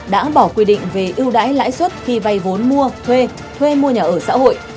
đã bỏ quy định về ưu đãi lãi suất khi vay vốn mua thuê thuê mua nhà ở xã hội